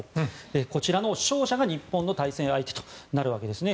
こちらの勝者が日本の対戦相手となるわけですね。